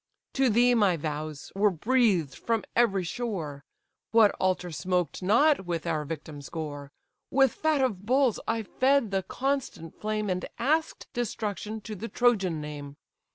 To thee my vows were breathed from every shore; What altar smoked not with our victims' gore? With fat of bulls I fed the constant flame, And ask'd destruction to the Trojan name.